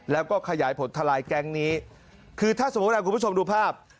แล้วก็ขยายผลทลายแก๊งนี้คือถ้าสมมุติคุณผู้ชมดูภาพ